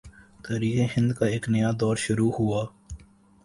تاریخ ہند کا ایک نیا دور شروع ہوا